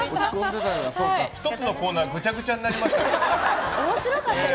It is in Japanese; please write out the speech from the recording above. １つのコーナーぐちゃぐちゃになりましたから。